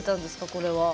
これは。